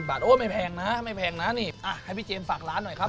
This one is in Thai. บาทโอ้ไม่แพงนะไม่แพงนะนี่ให้พี่เจมส์ฝากร้านหน่อยครับ